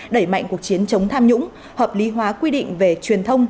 đẩy mạnh cuộc chiến chống tham nhũng hợp lý hóa quy định về truyền thông